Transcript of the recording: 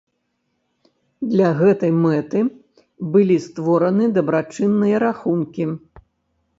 Для гэтай мэты былі створаны дабрачынныя рахункі.